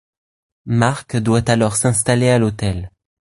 Marc doit alors s'installer à l'hôtel.